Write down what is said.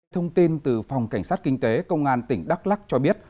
thông tin từ phòng cảnh sát kinh tế công an tỉnh đắk lắc cho biết